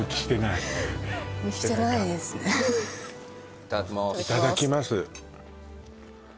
いただきます